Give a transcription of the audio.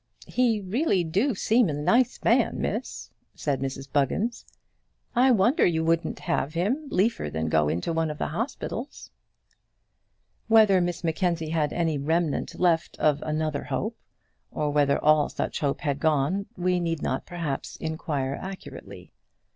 "He really do seem a nice man, Miss," said Mrs Buggins. "I wonder you wouldn't have him liefer than go into one of them hospitals." Whether Miss Mackenzie had any remnant left of another hope, or whether all such hope had gone, we need not perhaps inquire accurately.